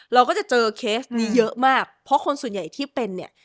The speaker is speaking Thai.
เราก็จะเจอเคสนี้เยอะมากเพราะคนส่วนใหญ่ที่เป็นเนี่ย